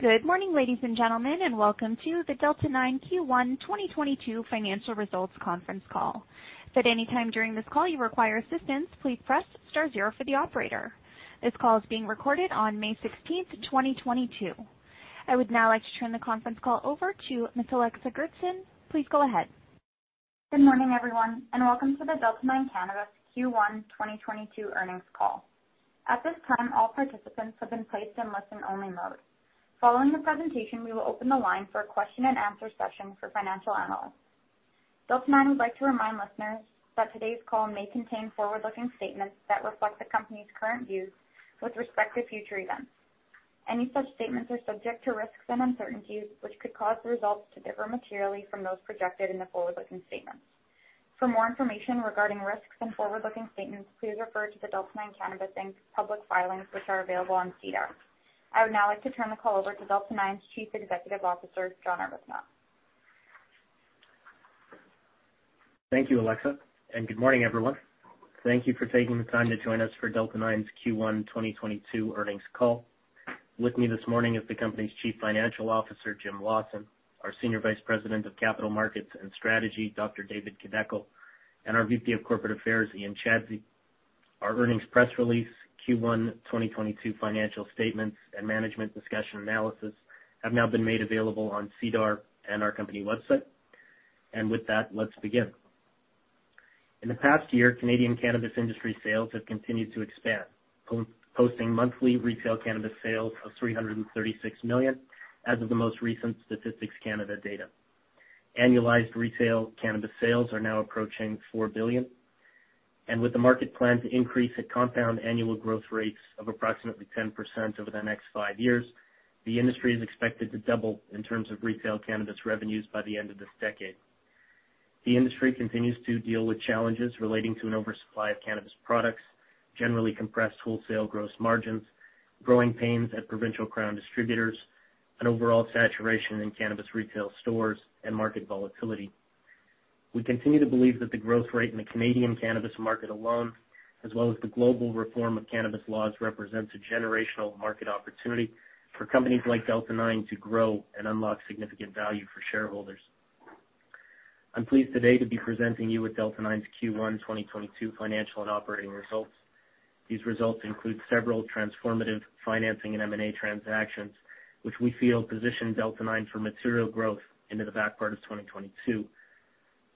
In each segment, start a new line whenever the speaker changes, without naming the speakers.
Good morning, ladies and gentlemen, and welcome to the Delta 9 Q1 2022 financial results conference call. If at any time during this call you require assistance, please press star zero for the operator. This call is being recorded on May 16, 2022. I would now like to turn the conference call over to Alexa Goertzen. Please go ahead.
Good morning, everyone, and welcome to the Delta 9 Cannabis Q1 2022 earnings call. At this time, all participants have been placed in listen-only mode. Following the presentation, we will open the line for a question and answer session for financial analysts. Delta 9 would like to remind listeners that today's call may contain forward-looking statements that reflect the company's current views with respect to future events. Any such statements are subject to risks and uncertainties, which could cause the results to differ materially from those projected in the forward-looking statements. For more information regarding risks and forward-looking statements, please refer to the Delta 9 Cannabis Inc.'s public filings, which are available on SEDAR. I would now like to turn the call over to Delta 9's CEO, John Arbuthnot.
Thank you, Alexa, and good morning, everyone. Thank you for taking the time to join us for Delta 9's Q1 2022 earnings call. With me this morning is the company's CFO, Jim Lawson, our Senior Vice President of Capital Markets and Strategy, David Kideckel, and our VP of Corporate Affairs, Ian Chadsey. Our earnings press release, Q1 2022 financial statements, and management discussion analysis have now been made available on SEDAR and our company website. With that, let's begin. In the past year, Canadian cannabis industry sales have continued to expand, posting monthly retail cannabis sales of 336 million as of the most recent Statistics Canada data. Annualized retail cannabis sales are now approaching 4 billion. With the market plan to increase at compound annual growth rates of approximately 10% over the next five years, the industry is expected to double in terms of retail cannabis revenues by the end of this decade. The industry continues to deal with challenges relating to an oversupply of cannabis products, generally compressed wholesale gross margins, growing pains at provincial crown distributors, an overall saturation in cannabis retail stores, and market volatility. We continue to believe that the growth rate in the Canadian cannabis market alone, as well as the global reform of cannabis laws, represents a generational market opportunity for companies like Delta 9 to grow and unlock significant value for shareholders. I'm pleased today to be presenting you with Delta 9's Q1 2022 financial and operating results. These results include several transformative financing and M&A transactions, which we feel position Delta 9 for material growth into the back part of 2022.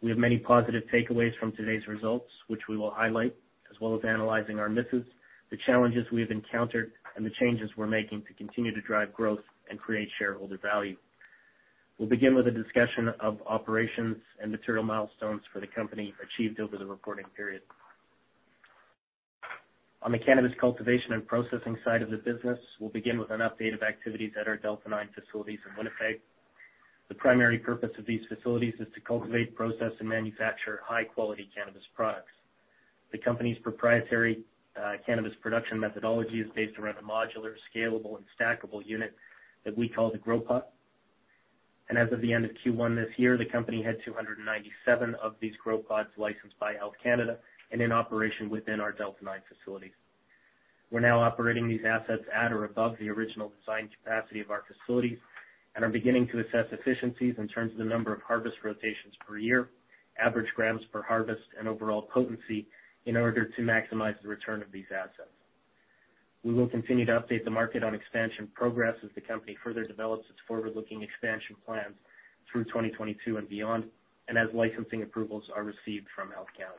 We have many positive takeaways from today's results, which we will highlight, as well as analyzing our misses, the challenges we have encountered, and the changes we're making to continue to drive growth and create shareholder value. We'll begin with a discussion of operations and material milestones for the company achieved over the reporting period. On the cannabis cultivation and processing side of the business, we'll begin with an update of activities at our Delta 9 facilities in Winnipeg. The primary purpose of these facilities is to cultivate, process, and manufacture high-quality cannabis products. The company's proprietary cannabis production methodology is based around a modular, scalable, and stackable unit that we call the Grow Pod. As of the end of Q1 this year, the company had 297 of these Grow Pods licensed by Health Canada and in operation within our Delta 9 facilities. We're now operating these assets at or above the original design capacity of our facilities and are beginning to assess efficiencies in terms of the number of harvest rotations per year, average grams per harvest, and overall potency in order to maximize the return of these assets. We will continue to update the market on expansion progress as the company further develops its forward-looking expansion plans through 2022 and beyond, and as licensing approvals are received from Health Canada.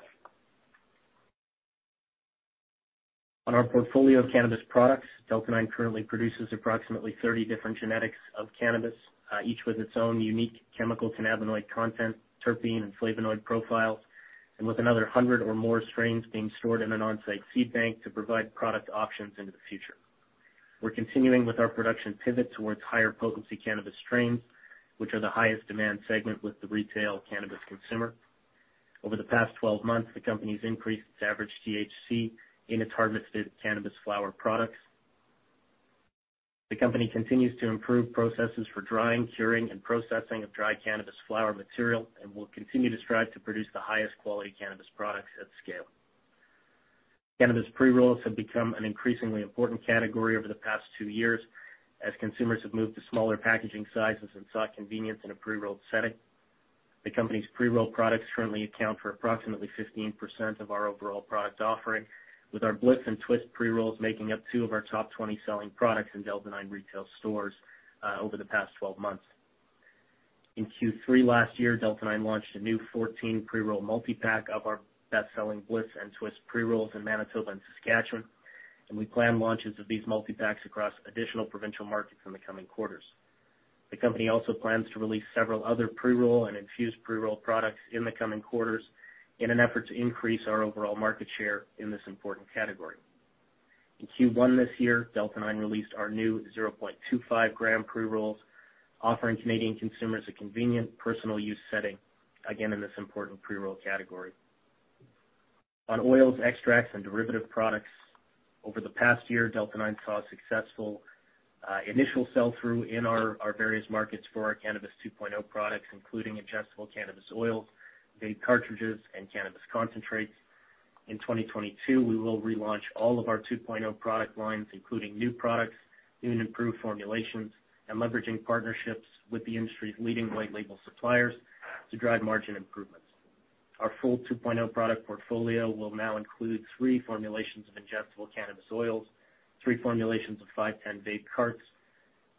On our portfolio of cannabis products, Delta 9 currently produces approximately 30 different genetics of cannabis, each with its own unique chemical cannabinoid content, terpene, and flavonoid profiles, and with another 100 or more strains being stored in an on-site seed bank to provide product options into the future. We're continuing with our production pivot towards higher potency cannabis strains, which are the highest demand segment with the retail cannabis consumer. Over the past 12 months, the company's increased its average THC in its harvested cannabis flower products. The company continues to improve processes for drying, curing, and processing of dry cannabis flower material and will continue to strive to produce the highest quality cannabis products at scale. Cannabis pre-rolls have become an increasingly important category over the past two years as consumers have moved to smaller packaging sizes and sought convenience in a pre-rolled setting. The company's pre-rolled products currently account for approximately 15% of our overall product offering, with our Blitz and Twist pre-rolls making up two of our top 20 selling products in Delta 9 retail stores over the past 12 months. In Q3 last year, Delta 9 launched a new 14 pre-roll multi-pack of our best-selling Blitz and Twist pre-rolls in Manitoba and Saskatchewan, and we plan launches of these multi-packs across additional provincial markets in the coming quarters. The company also plans to release several other pre-roll and infused pre-roll products in the coming quarters in an effort to increase our overall market share in this important category. In Q1 this year, Delta 9 released our new 0.25 gram pre-rolls, offering Canadian consumers a convenient personal use setting, again, in this important pre-roll category. On oils, extracts, and derivative products, over the past year, Delta 9 saw successful initial sell-through in our various markets for our Cannabis 2.0 products, including adjustable cannabis oils, vape cartridges, and cannabis concentrates. In 2022, we will relaunch all of our 2.0 product lines, including new products, new and improved formulations, and leveraging partnerships with the industry's leading white label suppliers to drive margin improvements. Our full 2.0 product portfolio will now include three formulations of ingestible cannabis oils, three formulations of 510 vape carts,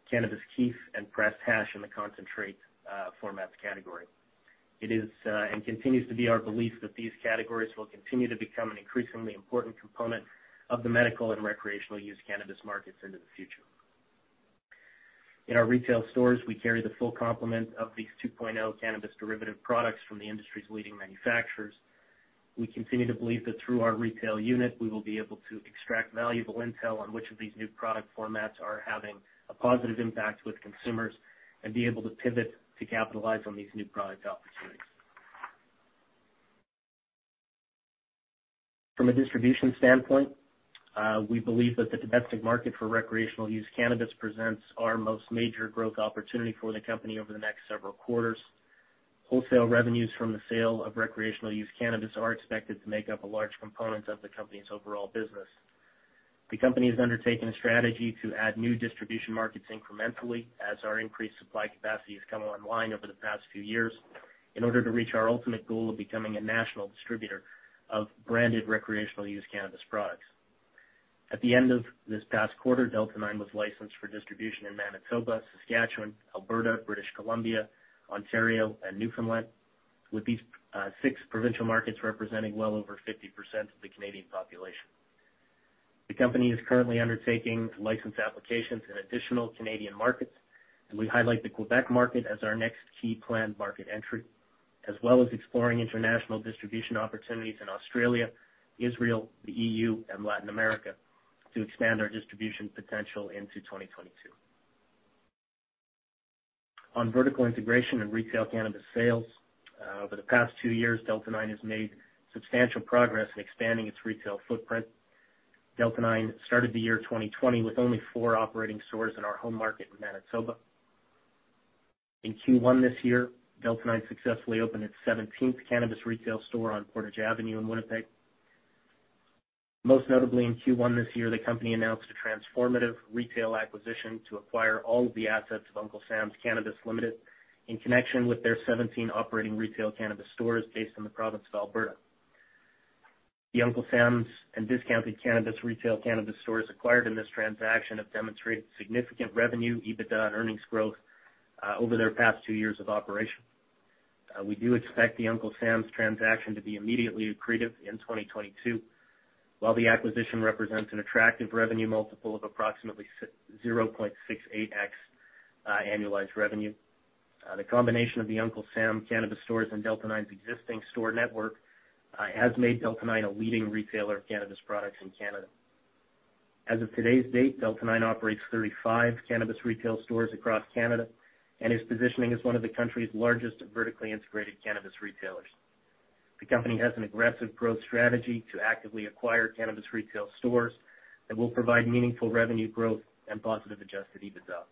cannabis kief, and pressed hash in the concentrate formats category. It is and continues to be our belief that these categories will continue to become an increasingly important component of the medical and recreational use cannabis markets into the future. In our retail stores, we carry the full complement of these 2.0 cannabis derivative products from the industry's leading manufacturers. We continue to believe that through our retail unit, we will be able to extract valuable intel on which of these new product formats are having a positive impact with consumers and be able to pivot to capitalize on these new product opportunities. From a distribution standpoint, we believe that the domestic market for recreational use cannabis presents our most major growth opportunity for the company over the next several quarters. Wholesale revenues from the sale of recreational use cannabis are expected to make up a large component of the company's overall business. The company has undertaken a strategy to add new distribution markets incrementally as our increased supply capacity has come online over the past few years in order to reach our ultimate goal of becoming a national distributor of branded recreational use cannabis products. At the end of this past quarter, Delta 9 was licensed for distribution in Manitoba, Saskatchewan, Alberta, British Columbia, Ontario, and Newfoundland, with these six provincial markets representing well over 50% of the Canadian population. The company is currently undertaking license applications in additional Canadian markets, and we highlight the Quebec market as our next key planned market entry, as well as exploring international distribution opportunities in Australia, Israel, the EU, and Latin America to expand our distribution potential into 2022. On vertical integration and retail cannabis sales, over the past two years, Delta 9 has made substantial progress in expanding its retail footprint. Delta 9 started the year 2020 with only four operating stores in our home market in Manitoba. In Q1 this year, Delta 9 successfully opened its 17th cannabis retail store on Portage Avenue in Winnipeg. Most notably in Q1 this year, the company announced a transformative retail acquisition to acquire all of the assets of Uncle Sam's Cannabis Ltd. in connection with their 17 operating retail cannabis stores based in the province of Alberta. The Uncle Sam's and Discounted Cannabis retail cannabis stores acquired in this transaction have demonstrated significant revenue, EBITDA, and earnings growth, over their past two years of operation. We do expect the Uncle Sam's Cannabis transaction to be immediately accretive in 2022, while the acquisition represents an attractive revenue multiple of approximately 0.68x annualized revenue. The combination of the Uncle Sam's Cannabis stores and Delta 9's existing store network has made Delta 9 a leading retailer of cannabis products in Canada. As of today's date, Delta 9 operates 35 cannabis retail stores across Canada and is positioning as one of the country's largest vertically integrated cannabis retailers. The company has an aggressive growth strategy to actively acquire cannabis retail stores that will provide meaningful revenue growth and positive adjusted EBITDA.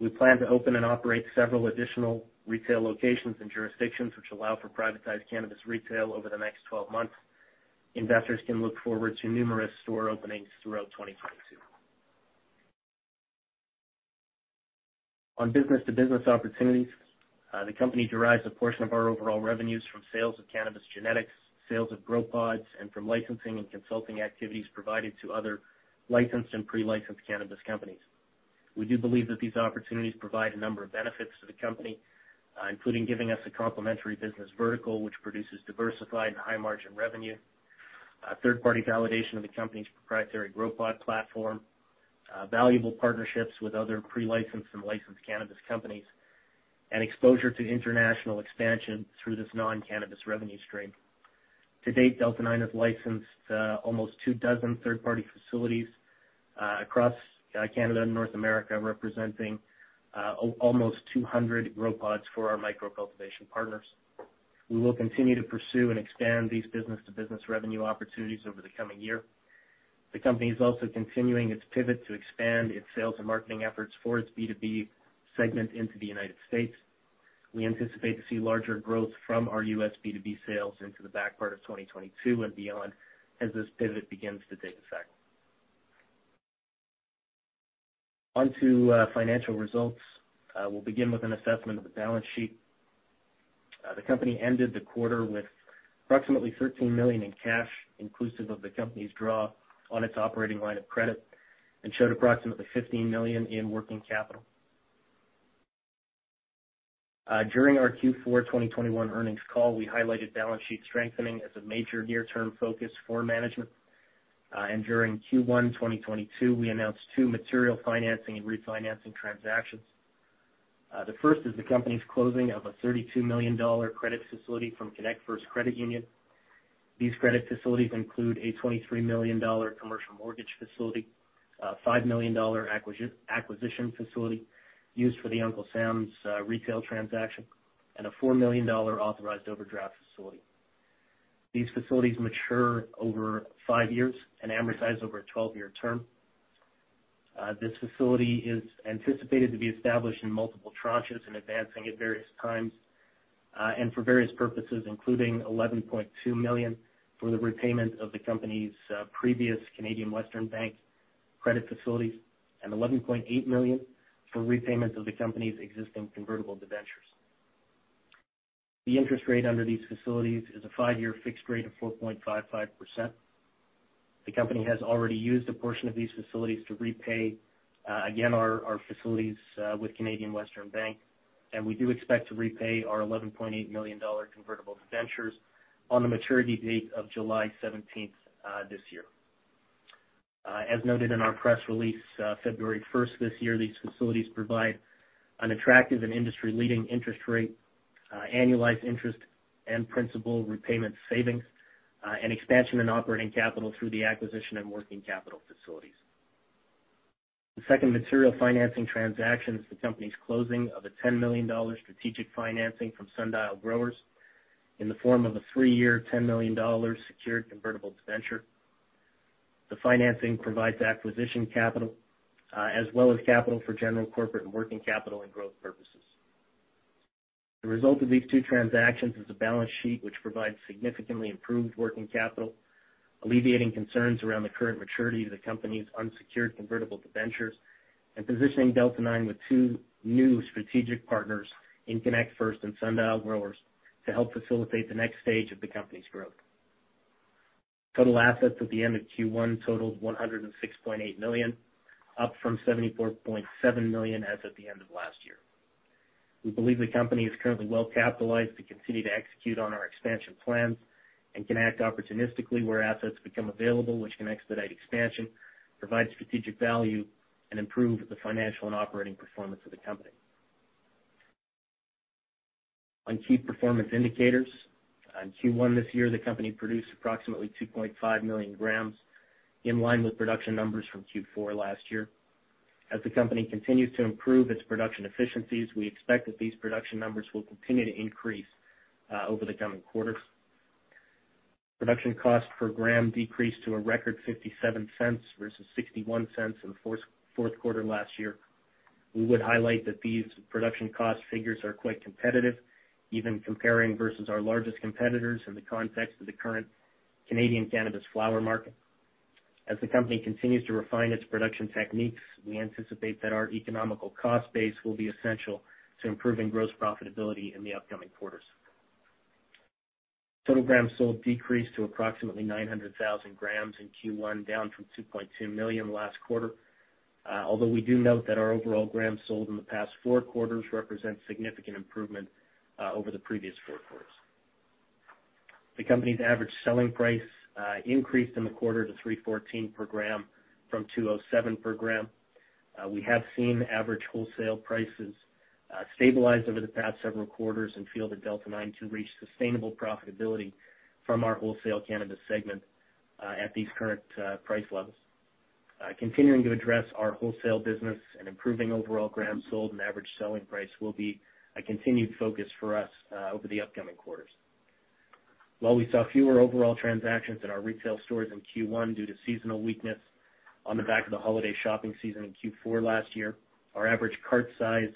We plan to open and operate several additional retail locations and jurisdictions which allow for privatized cannabis retail over the next 12 months. Investors can look forward to numerous store openings throughout 2022. On business-to-business opportunities, the company derives a portion of our overall revenues from sales of cannabis genetics, sales of Grow Pods, and from licensing and consulting activities provided to other licensed and pre-licensed cannabis companies. We do believe that these opportunities provide a number of benefits to the company, including giving us a complementary business vertical which produces diversified and high-margin revenue, a third-party validation of the company's proprietary Grow Pod platform, valuable partnerships with other pre-licensed and licensed cannabis companies, and exposure to international expansion through this non-cannabis revenue stream. To date, Delta 9 has licensed almost 24 third-party facilities across Canada and North America, representing almost 200 Grow Pods for our microcultivation partners. We will continue to pursue and expand these business-to-business revenue opportunities over the coming year. The company is also continuing its pivot to expand its sales and marketing efforts for its B2B segment into the United States. We anticipate to see larger growth from our US B2B sales into the back part of 2022 and beyond as this pivot begins to take effect. Onto financial results, we'll begin with an assessment of the balance sheet. The company ended the quarter with approximately 13 million in cash, inclusive of the company's draw on its operating line of credit, and showed approximately 15 million in working capital. During our Q4 2021 earnings call, we highlighted balance sheet strengthening as a major near-term focus for management. During Q1 2022, we announced two material financing and refinancing transactions. The first is the company's closing of a 32 million dollar credit facility from ConnectFirst Credit Union. These credit facilities include a 23 million dollar commercial mortgage facility, a 5 million dollar acquisition facility used for the Uncle Sam's retail transaction, and a 4 million dollar authorized overdraft facility. These facilities mature over five years and amortize over a 12-year term. This facility is anticipated to be established in multiple tranches and advancing at various times, and for various purposes, including 11.2 million for the repayment of the company's previous Canadian Western Bank credit facilities and 11.8 million for repayment of the company's existing convertible debentures. The interest rate under these facilities is a five-year fixed rate of 4.55%. The company has already used a portion of these facilities to repay, again, our facilities with Canadian Western Bank, and we do expect to repay our 11.8 million dollar convertible debentures on the maturity date of July 17 this year. As noted in our press release, February 1 this year, these facilities provide an attractive and industry-leading interest rate, annualized interest and principal repayment savings, and expansion in operating capital through the acquisition and working capital facilities. The second material financing transaction is the company's closing of a 10 million dollars strategic financing from Sundial Growers in the form of a three-year 10 million dollars secured convertible debenture. The financing provides acquisition capital, as well as capital for general corporate and working capital and growth purposes. The result of these two transactions is a balance sheet which provides significantly improved working capital, alleviating concerns around the current maturity of the company's unsecured convertible debentures and positioning Delta 9 with two new strategic partners in ConnectFirst and Sundial Growers to help facilitate the next stage of the company's growth. Total assets at the end of Q1 totaled 106.8 million, up from 74.7 million as at the end of last year. We believe the company is currently well capitalized to continue to execute on our expansion plans and can act opportunistically where assets become available, which can expedite expansion, provide strategic value, and improve the financial and operating performance of the company. On key performance indicators, on Q1 this year, the company produced approximately 2.5 million grams, in line with production numbers from Q4 last year. As the company continues to improve its production efficiencies, we expect that these production numbers will continue to increase over the coming quarters. Production cost per gram decreased to a record 0.57 versus 0.61 in the fourth quarter last year. We would highlight that these production cost figures are quite competitive, even comparing versus our largest competitors in the context of the current Canadian cannabis flower market. As the company continues to refine its production techniques, we anticipate that our economical cost base will be essential to improving gross profitability in the upcoming quarters. Total grams sold decreased to approximately 900,000 grams in Q1, down from 2.2 million last quarter, although we do note that our overall grams sold in the past four quarters represent significant improvement over the previous four quarters. The company's average selling price increased in the quarter to 3.14 per gram from 2.07 per gram. We have seen average wholesale prices stabilize over the past several quarters and feel that Delta 9 to reach sustainable profitability from our wholesale cannabis segment at these current price levels. Continuing to address our wholesale business and improving overall grams sold and average selling price will be a continued focus for us over the upcoming quarters. While we saw fewer overall transactions at our retail stores in Q1 due to seasonal weakness on the back of the holiday shopping season in Q4 last year, our average cart size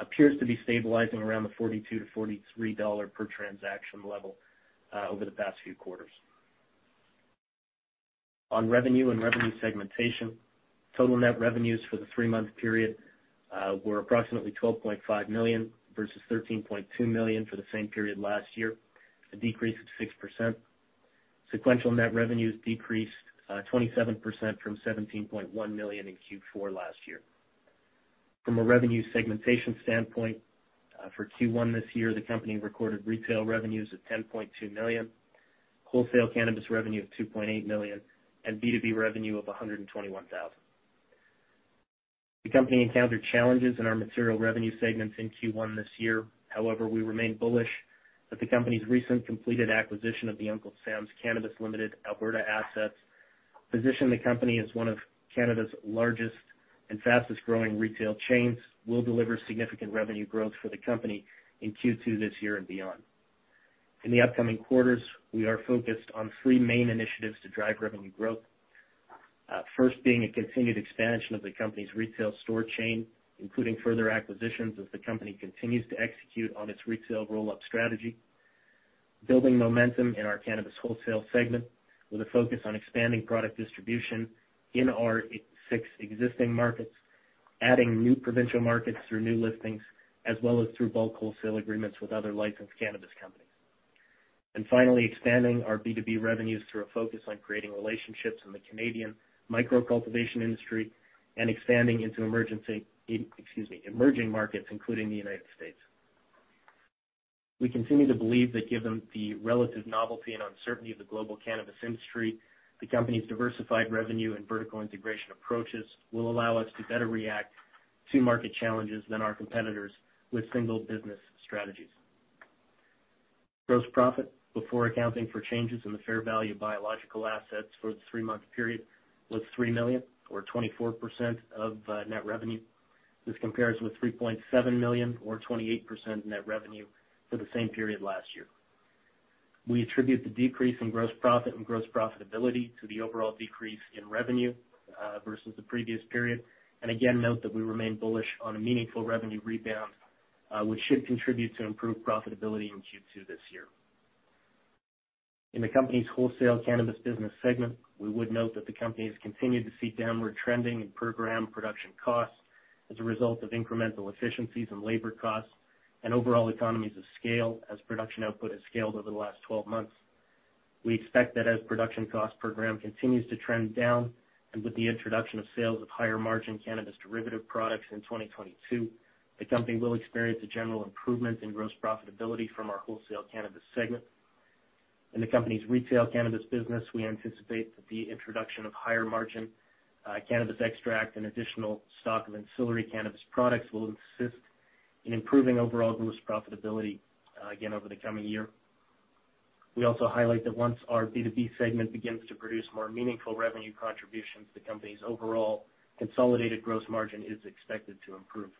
appears to be stabilizing around the 42-43 dollar per transaction level over the past few quarters. On revenue and revenue segmentation, total net revenues for the three-month period were approximately 12.5 million versus 13.2 million for the same period last year, a decrease of 6%. Sequential net revenues decreased 27% from 17.1 million in Q4 last year. From a revenue segmentation standpoint, for Q1 this year, the company recorded retail revenues of 10.2 million, wholesale cannabis revenue of 2.8 million, and B2B revenue of 121,000. The company encountered challenges in our material revenue segments in Q1 this year. However, we remain bullish that the company's recent completed acquisition of the Uncle Sam's Cannabis Ltd. Alberta assets position the company as one of Canada's largest and fastest-growing retail chains, will deliver significant revenue growth for the company in Q2 this year and beyond. In the upcoming quarters, we are focused on three main initiatives to drive revenue growth. First being a continued expansion of the company's retail store chain, including further acquisitions as the company continues to execute on its retail roll-up strategy. Building momentum in our cannabis wholesale segment with a focus on expanding product distribution in our six existing markets, adding new provincial markets through new listings, as well as through bulk wholesale agreements with other licensed cannabis companies. Finally, expanding our B2B revenues through a focus on creating relationships in the Canadian micro-cultivation industry and expanding into emerging markets, including the United States. We continue to believe that given the relative novelty and uncertainty of the global cannabis industry, the company's diversified revenue and vertical integration approaches will allow us to better react to market challenges than our competitors with single business strategies. Gross profit before accounting for changes in the fair value biological assets for the three-month period was 3 million or 24% of net revenue. This compares with 3.7 million or 28% net revenue for the same period last year. We attribute the decrease in gross profit and gross profitability to the overall decrease in revenue versus the previous period. Again, note that we remain bullish on a meaningful revenue rebound, which should contribute to improved profitability in Q2 this year. In the company's wholesale cannabis business segment, we would note that the company has continued to see downward trending in per gram production costs as a result of incremental efficiencies in labor costs and overall economies of scale as production output has scaled over the last 12 months. We expect that as production cost per gram continues to trend down, and with the introduction of sales of higher margin cannabis derivative products in 2022, the company will experience a general improvement in gross profitability from our wholesale cannabis segment. In the company's retail cannabis business, we anticipate that the introduction of higher margin, cannabis extract and additional stock of ancillary cannabis products will assist in improving overall gross profitability, again over the coming year. We also highlight that once our B2B segment begins to produce more meaningful revenue contributions, the company's overall consolidated gross margin is expected to improve.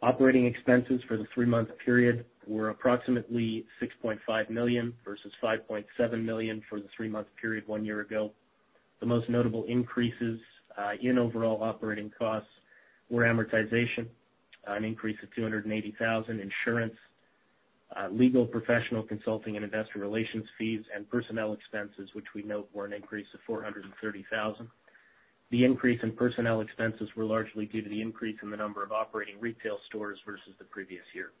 Operating expenses for the three-month period were approximately 6.5 million, versus 5.7 million for the three-month period one year ago. The most notable increases in overall operating costs were amortization, an increase of 280 thousand, insurance, legal, professional consulting, and investor relations fees, and personnel expenses, which we note were an increase of 430 thousand. The increase in personnel expenses were largely due to the increase in the number of operating retail stores versus the previous year.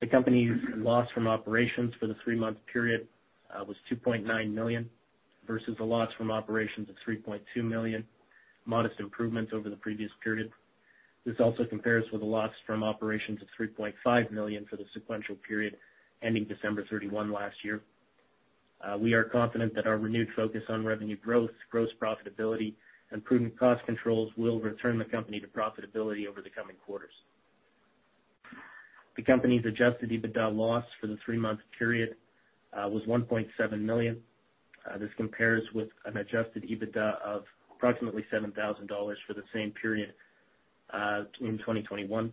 The company's loss from operations for the three-month period was 2.9 million, versus a loss from operations of 3.2 million, modest improvements over the previous period. This also compares with a loss from operations of 3.5 million for the sequential period ending December 31 last year. We are confident that our renewed focus on revenue growth, gross profitability, and prudent cost controls will return the company to profitability over the coming quarters. The company's adjusted EBITDA loss for the three-month period was 1.7 million. This compares with an adjusted EBITDA of approximately 7,000 dollars for the same period in 2021.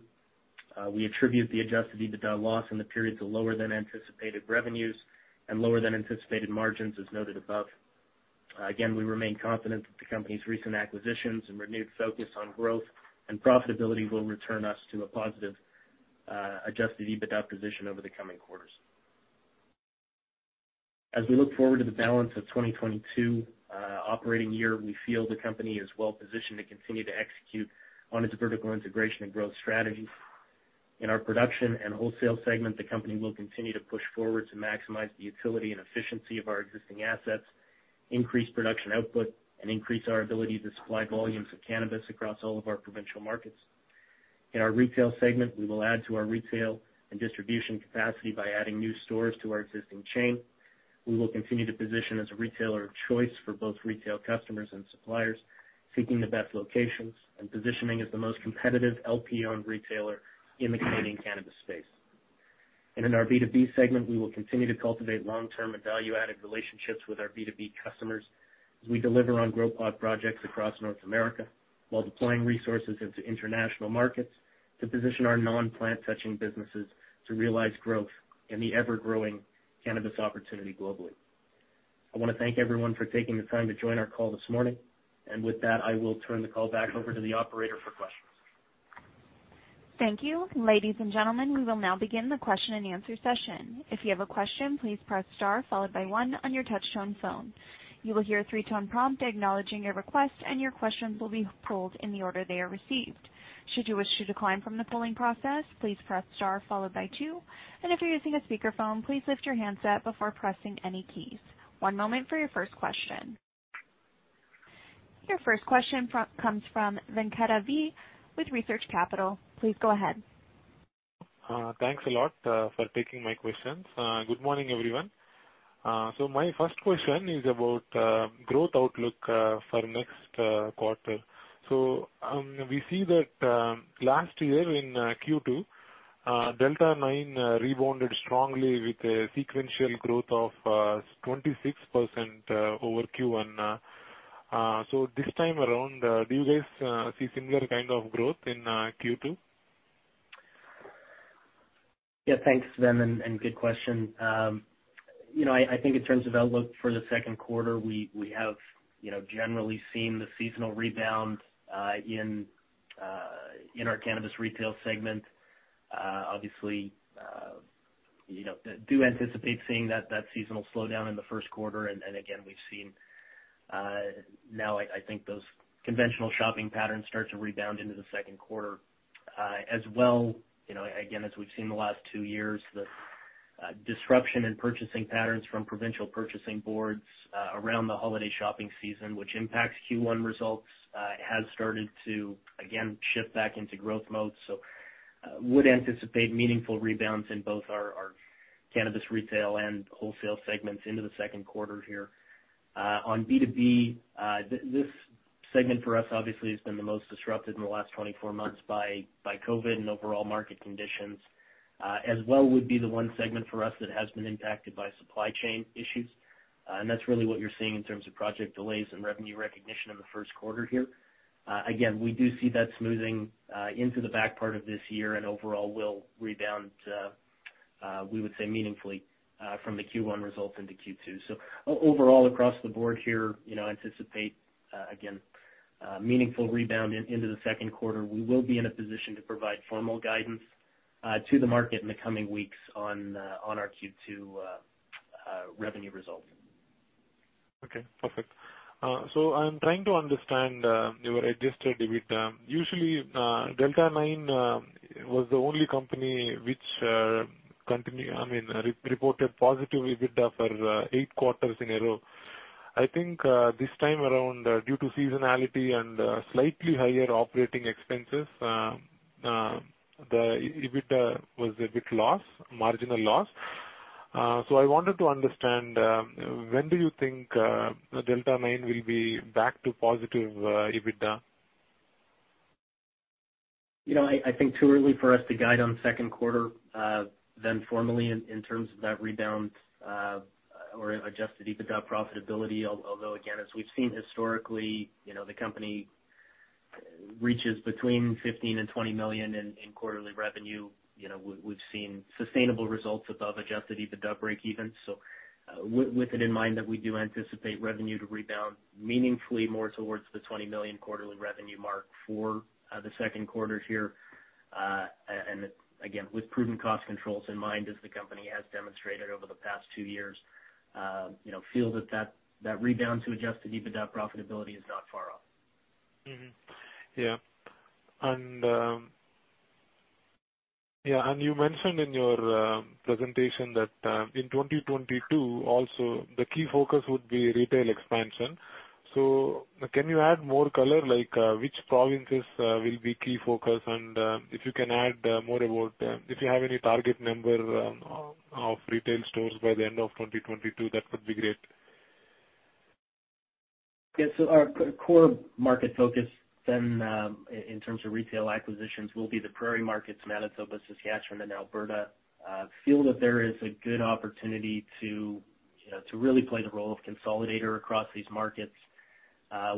We attribute the adjusted EBITDA loss in the period to lower than anticipated revenues and lower than anticipated margins, as noted above. Again, we remain confident that the company's recent acquisitions and renewed focus on growth and profitability will return us to a positive adjusted EBITDA position over the coming quarters. As we look forward to the balance of 2022 operating year, we feel the company is well positioned to continue to execute on its vertical integration and growth strategy. In our production and wholesale segment, the company will continue to push forward to maximize the utility and efficiency of our existing assets, increase production output, and increase our ability to supply volumes of cannabis across all of our provincial markets. In our retail segment, we will add to our retail and distribution capacity by adding new stores to our existing chain. We will continue to position as a retailer of choice for both retail customers and suppliers, seeking the best locations and positioning as the most competitive LP-owned retailer in the Canadian cannabis space. In our B2B segment, we will continue to cultivate long-term and value-added relationships with our B2B customers as we deliver on Grow Pod projects across North America while deploying resources into international markets to position our non-plant touching businesses to realize growth in the ever-growing cannabis opportunity globally. I wanna thank everyone for taking the time to join our call this morning. With that, I will turn the call back over to the operator for questions.
Thank you. Ladies and gentlemen, we will now begin the question-and-answer session. If you have a question, please press star followed by one on your touch-tone phone. You will hear a three-tone prompt acknowledging your request, and your questions will be pooled in the order they are received. Should you wish to decline from the polling process, please press star followed by two. If you're using a speakerphone, please lift your handset before pressing any keys. One moment for your first question. Your first question comes from Ven V with Research Capital. Please go ahead.
Thanks a lot for taking my questions. Good morning, everyone. My first question is about growth outlook for next quarter. We see that last year in Q2 Delta 9 rebounded strongly with a sequential growth of 26% over Q1. This time around, do you guys see similar kind of growth in Q2?
Yeah. Thanks, Ven, and good question. You know, I think in terms of outlook for the second quarter, we have generally seen the seasonal rebound in our cannabis retail segment. Obviously, you know, do anticipate seeing that seasonal slowdown in the first quarter. Again, we've seen now I think those conventional shopping patterns start to rebound into the second quarter. As well, you know, again, as we've seen the last two years, the disruption in purchasing patterns from provincial purchasing boards around the holiday shopping season, which impacts Q1 results, has started to again shift back into growth mode. Would anticipate meaningful rebounds in both our cannabis retail and wholesale segments into the second quarter here. On B2B, this segment for us obviously has been the most disrupted in the last 24 months by COVID and overall market conditions, as well would be the one segment for us that has been impacted by supply chain issues. That's really what you're seeing in terms of project delays and revenue recognition in the first quarter here. Again, we do see that smoothing into the back part of this year and overall will rebound, we would say meaningfully, from the Q1 results into Q2. Overall, across the board here, you know, anticipate again meaningful rebound into the second quarter. We will be in a position to provide formal guidance to the market in the coming weeks on our Q2 revenue results.
I'm trying to understand your adjusted EBITDA. Usually, Delta 9 was the only company which re-reported positive EBITDA for eight quarters in a row. I think this time around, due to seasonality and slightly higher operating expenses, the EBITDA was a bit of a loss, marginal loss. I wanted to understand when do you think Delta 9 will be back to positive EBITDA?
You know, I think it's too early for us to guide on the second quarter, then formally in terms of that rebound, or adjusted EBITDA profitability, although again, as we've seen historically, you know, the company reaches between 15 million and 20 million in quarterly revenue. You know, we've seen sustainable results above adjusted EBITDA breakeven. With it in mind that we do anticipate revenue to rebound meaningfully more towards the 20 million quarterly revenue mark for the second quarter here. And again, with proven cost controls in mind, as the company has demonstrated over the past 2 years, you know, feel that rebound to adjusted EBITDA profitability is not far off.
Yeah, you mentioned in your presentation that in 2022 also, the key focus would be retail expansion. Can you add more color, like which provinces will be key focus? If you can add more about if you have any target number of retail stores by the end of 2022, that would be great.
Yeah. Our core market focus then, in terms of retail acquisitions, will be the prairie markets, Manitoba, Saskatchewan and Alberta. We feel that there is a good opportunity to, you know, to really play the role of consolidator across these markets.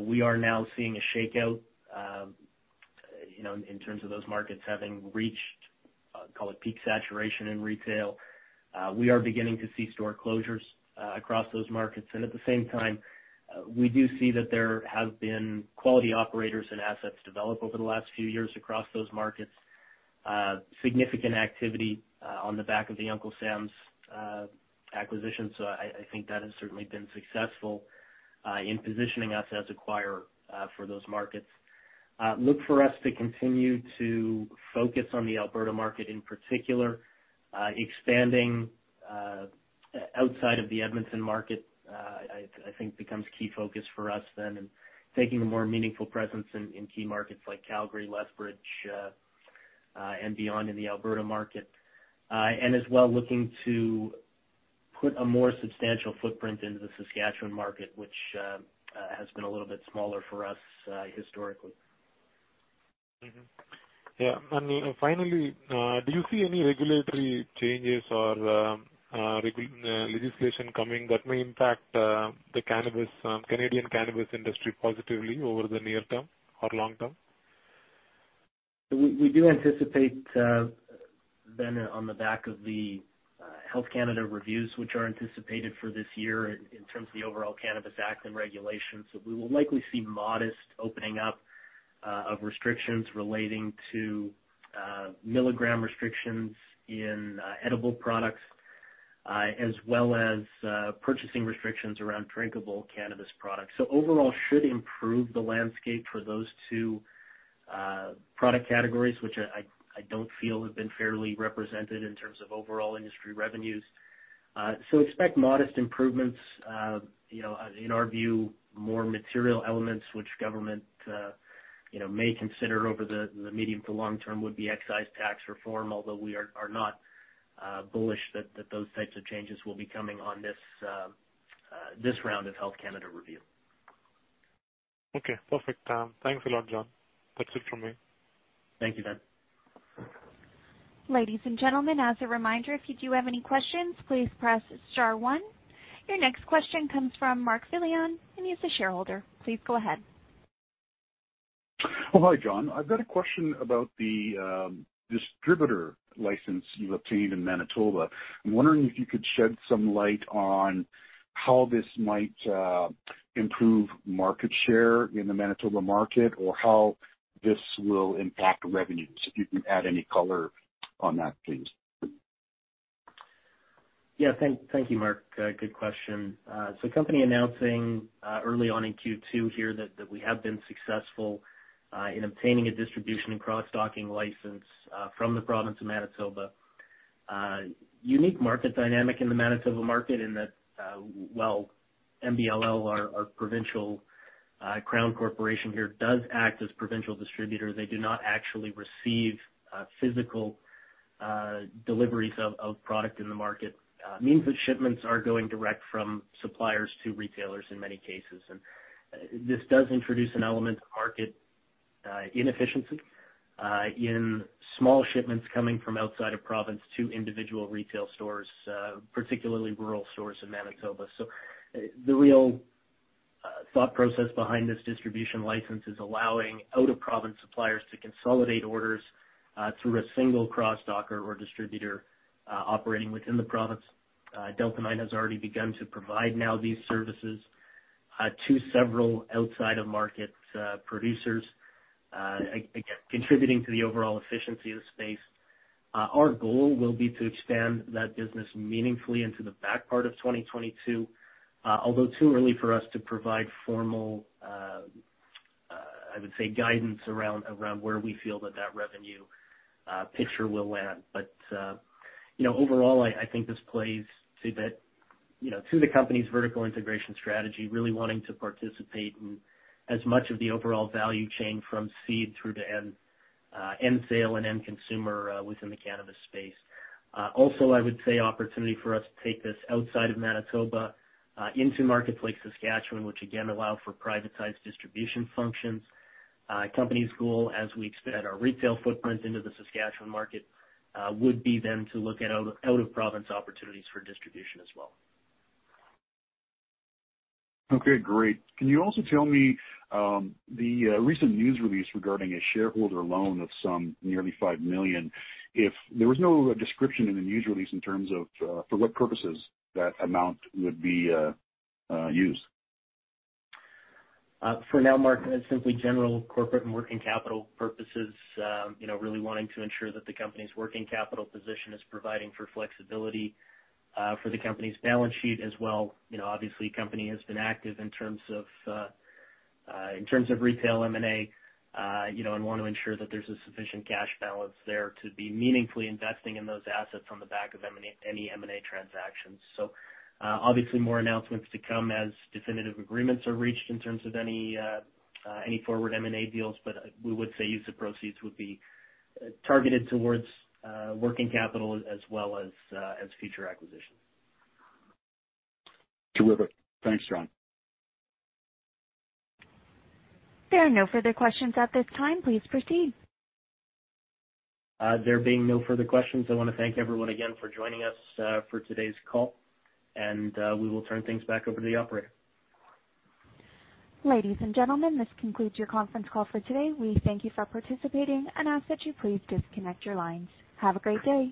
We are now seeing a shakeout, you know, in terms of those markets having reached, call it, peak saturation in retail. We are beginning to see store closures across those markets. At the same time, we do see that there have been quality operators and assets developed over the last few years across those markets. Significant activity on the back of the Uncle Sam's acquisition. I think that has certainly been successful in positioning us as an acquirer for those markets. Look for us to continue to focus on the Alberta market in particular, expanding outside of the Edmonton market, I think becomes key focus for us then. Taking a more meaningful presence in key markets like Calgary, Lethbridge, and beyond in the Alberta market. As well looking to put a more substantial footprint into the Saskatchewan market, which has been a little bit smaller for us historically.
Mm-hmm. Yeah. Finally, do you see any regulatory changes or legislation coming that may impact the Canadian cannabis industry positively over the near term or long term?
We do anticipate then on the back of the Health Canada reviews, which are anticipated for this year in terms of the overall Cannabis Act and regulations, that we will likely see modest opening up of restrictions relating to milligram restrictions in edible products as well as purchasing restrictions around drinkable cannabis products. Overall should improve the landscape for those two product categories, which I don't feel have been fairly represented in terms of overall industry revenues. Expect modest improvements. You know, in our view, more material elements which government you know may consider over the medium to long term would be excise tax reform, although we are not bullish that those types of changes will be coming on this round of Health Canada review.
Okay, perfect. Thanks a lot, John. That's it from me.
Thank you, Dan.
Ladies and gentlemen, as a reminder, if you do have any questions, please press star one. Your next question comes from Mark Fillion, and he's a shareholder. Please go ahead.
Oh, hi, John. I've got a question about the distributor license you obtained in Manitoba. I'm wondering if you could shed some light on how this might improve market share in the Manitoba market, or how this will impact revenues. If you can add any color on that, please.
Yeah. Thank you, Mark. Good question. Company announcing early on in Q2 here that we have been successful in obtaining a distribution and cross-docking license from the province of Manitoba. Unique market dynamic in the Manitoba market in that while MBLL, our provincial Crown corporation here, does act as provincial distributor, they do not actually receive physical deliveries of product in the market. Means that shipments are going direct from suppliers to retailers in many cases. This does introduce an element of market inefficiency in small shipments coming from outside of province to individual retail stores, particularly rural stores in Manitoba. The real thought process behind this distribution license is allowing out-of-province suppliers to consolidate orders through a single cross-docker or distributor operating within the province. Delta 9 has already begun to provide now these services to several outside of market producers. Again, contributing to the overall efficiency of the space. Our goal will be to expand that business meaningfully into the back part of 2022, although too early for us to provide formal, I would say guidance around where we feel that revenue picture will land. You know, overall I think this plays to that, you know, to the company's vertical integration strategy, really wanting to participate in as much of the overall value chain from seed through to end sale and end consumer within the cannabis space. Also, I would say opportunity for us to take this outside of Manitoba into markets like Saskatchewan, which again allow for privatized distribution functions. Company's goal as we expand our retail footprint into the Saskatchewan market would be then to look at out of province opportunities for distribution as well.
Okay, great. Can you also tell me the recent news release regarding a shareholder loan of some nearly 5 million? If there was no description in the news release in terms of for what purposes that amount would be used.
For now, Mark, simply general corporate and working capital purposes. You know, really wanting to ensure that the company's working capital position is providing for flexibility for the company's balance sheet as well. You know, obviously, company has been active in terms of in terms of retail M&A, you know, and want to ensure that there's a sufficient cash balance there to be meaningfully investing in those assets on the back of many M&A transactions. Obviously, more announcements to come as definitive agreements are reached in terms of any any forward M&A deals. We would say use of proceeds would be targeted towards working capital as well as as future acquisitions.
Terrific. Thanks, Ron.
There are no further questions at this time. Please proceed.
There being no further questions, I wanna thank everyone again for joining us for today's call. We will turn things back over to the operator.
Ladies and gentlemen, this concludes your conference call for today. We thank you for participating and ask that you please disconnect your lines. Have a great day.